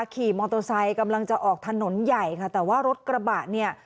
ขี่มอเตอร์ไซค์กำลังจะออกถนนใหญ่ค่ะแต่ว่ารถกระบะเนี่ย